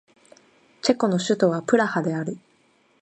チェコの首都はプラハである